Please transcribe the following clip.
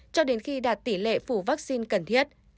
cho đến khi đạt tỷ lệ phủ vaccine cần thiết